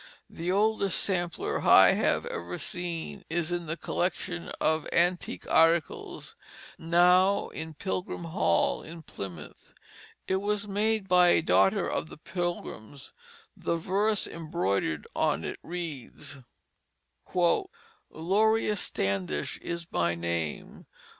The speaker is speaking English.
The oldest sampler I have ever seen is in the collection of antique articles now in Pilgrim Hall at Plymouth. It was made by a daughter of the Pilgrims. The verse embroidered on it reads: "Lorea Standish is My Name.